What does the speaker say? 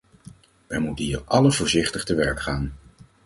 Wij moeten hier allen voorzichtig te werk gaan.